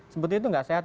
seperti itu tidak sehat